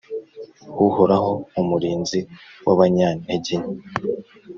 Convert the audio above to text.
Uhoraho, umurinzi w’abanyantegenke